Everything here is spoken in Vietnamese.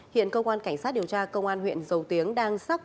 hiện công an cảnh sát điều tra công an huyện dầu tiếng đang xác minh